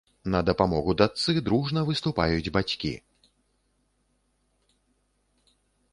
На дапамогу дачцы дружна выступаюць бацькі.